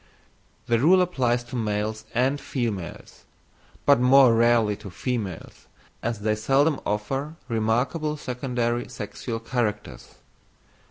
The rule applies to males and females; but more rarely to females, as they seldom offer remarkable secondary sexual characters.